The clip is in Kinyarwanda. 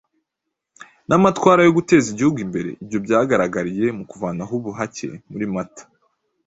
namatwara yo guteza igihugu imbere Ibyo byagaragariye mu kuvanaho ubuhake muri Mata